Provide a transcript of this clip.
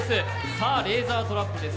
さあレーザートラップです。